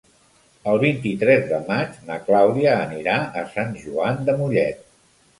El vint-i-tres de maig na Clàudia anirà a Sant Joan de Mollet.